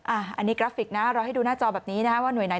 อันนี้กราฟิกนะเราให้ดูหน้าจอแบบนี้นะฮะว่าหน่วยไหน